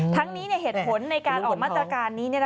ทั้งนี้เหตุผลในการออกมาตรการนี้